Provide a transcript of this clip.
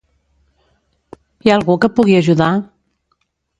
Hi ha algú que pugui ajudar?